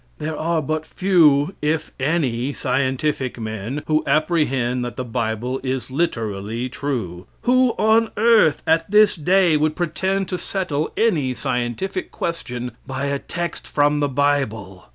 There are but few, if any, scientific men, who apprehend that the Bible is literally true. Who on earth at this day would pretend to settle any scientific question by a text from the Bible?